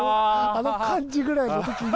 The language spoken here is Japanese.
あの感じぐらいの時に。